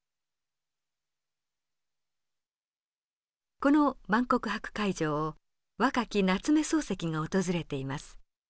この万国博会場を若き夏目漱石が訪れています。